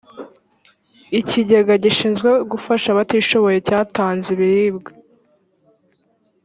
ikigega gishizwe gufasha abatishoboye cyatanze ibiribwa